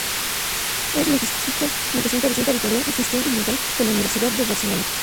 Es magister en Planificación Territorial y Gestión Ambiental por la Universidad de Barcelona.